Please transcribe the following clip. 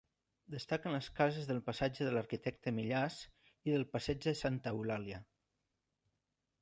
Destaquen les cases del passatge de l'Arquitecte Millàs i del passatge de Santa Eulàlia.